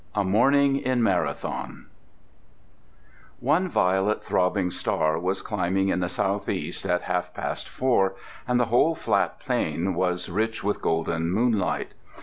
A MORNING IN MARATHON One violet throbbing star was climbing in the southeast at half past four, and the whole flat plain was rich with golden moonlight.